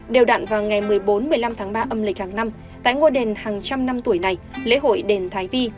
đều đạn vào ngày một mươi bốn một mươi năm tháng ba âm lịch hàng năm tại ngôi đền hàng trăm năm tuổi này lễ hội đền thái vi